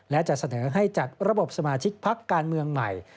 และจะเสนอให้จัดระบบสมาชิกพักการเมืองใหม่